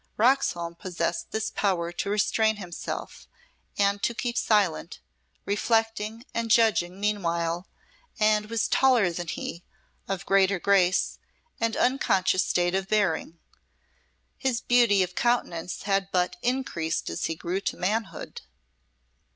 Roxholm possessed this power to restrain himself, and to keep silent, reflecting, and judging meanwhile, and was taller than he, of greater grace, and unconscious state of bearing; his beauty of countenance had but increased as he grew to manhood.